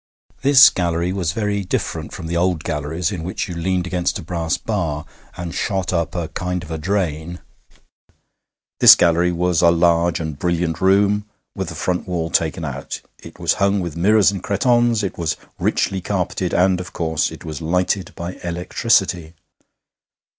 This gallery was very different from the old galleries, in which you leaned against a brass bar and shot up a kind of a drain. This gallery was a large and brilliant room, with the front wall taken out. It was hung with mirrors and cretonnes, it was richly carpeted, and, of course, it was lighted by electricity.